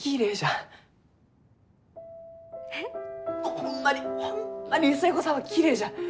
ホンマにホンマに寿恵子さんはきれいじゃ。